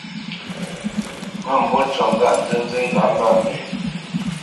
Mə́mbû ncu ŋgâʼ nzənzə́ lǎ mbə mbî.